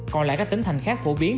còn lại các tỉnh thành khác phổ biến